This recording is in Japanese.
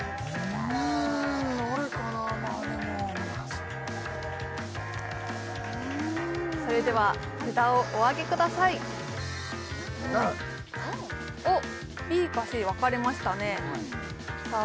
まあでもそれでは札をおあげくださいおっＢかＣ分かれましたねさあ